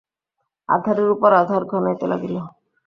আঁধারের উপর আঁধার ঘনাইতে লাগিল।